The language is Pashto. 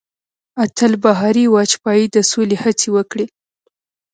اتل بهاري واجپايي د سولې هڅې وکړې.